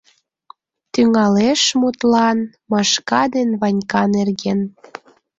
Тӱҥалеш, мутлан, Машка ден Ванька нерген.